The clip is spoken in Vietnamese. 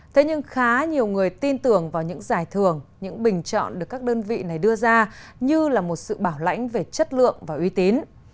thế nhưng khá nhiều người tin tưởng vào những giải thưởng những bình chọn được các đơn vị này đưa ra như là một sự bảo lãnh về chất lượng và uy tín